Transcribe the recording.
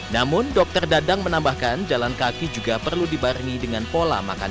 namun dokter dadang menambahkan jalan kaki juga perlu dibarengi dengan pola makan